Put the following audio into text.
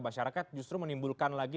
masyarakat justru menimbulkan lagi